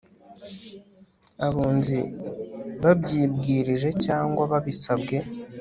abunzi babyibwirije cyangwa babisabwe